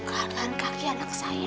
keadaan kaki anak keseluruhnya